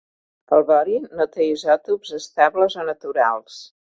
El bohri no té isòtops estables o naturals.